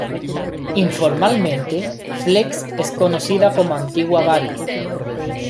Informalmente Flex es conocida como "antigua Varig".